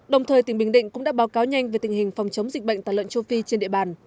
đồng thời tỉnh bình định cũng đã báo cáo nhanh về tình hình phòng chống dịch bệnh tà lợn châu phi trên địa bàn